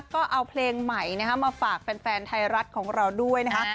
ก็เอาเพลงใหม่มาฝากแฟนไทยรัฐของเราด้วยนะคะ